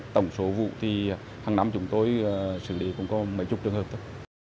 tổng số vụ thì hàng năm chúng tôi xử lý cũng có mấy chục trường hợp